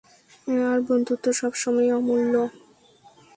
আর বন্ধুত্ব সব সময় অমূল্য।